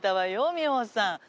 美穂さん。